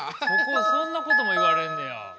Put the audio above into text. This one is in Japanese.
そんなことも言われんねや。